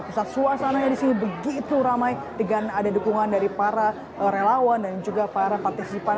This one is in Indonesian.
pusat suasananya di sini begitu ramai dengan ada dukungan dari para relawan dan juga para partisipan